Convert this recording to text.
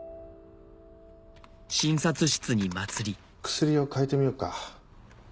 薬を変えてみようか。